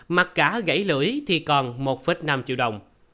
mặc cả gãy lưỡi thì còn một năm triệu đồng